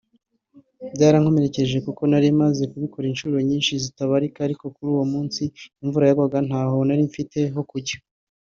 Byarankomerekeje kuko nari maze kubikora inshuro zitabarika ariko kuri uwo munsi imvura yaragwaga ntaho nari mfite ho kujya